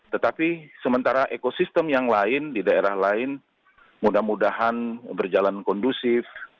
tetapi sementara ekosistem yang lain di daerah lain mudah mudahan berjalan kondusif